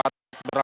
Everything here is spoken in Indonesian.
yang tadi sempat